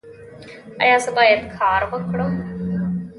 ایا زه باید کار وکړم؟